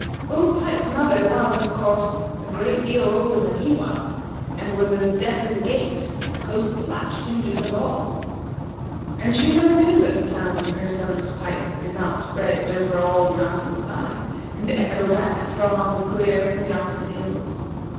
Old Pipes's mother was, of course, a great deal older then he was, and was as deaf as a gate, posts, latch, hinges, and all, and she never knew that the sound of her son's pipe did not spread over all the mountainside, and echo back strong and clear from the opposite hills.